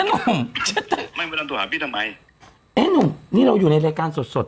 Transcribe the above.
นุ่มไม่มานามรับตัวหาพี่ทำไมเอ๊ะนุ่มนี่เราอยู่ในรายการสดสด